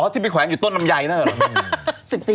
ที่ไปแขวนอยู่ต้นลำไยนั่นเหรอ